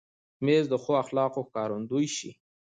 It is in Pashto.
مېز د ښو اخلاقو ښکارندوی شي.